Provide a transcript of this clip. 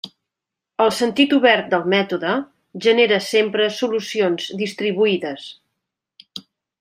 El sentit obert del mètode, genera sempre solucions distribuïdes.